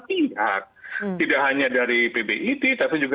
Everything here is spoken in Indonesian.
pihak tidak hanya dari pbit tapi juga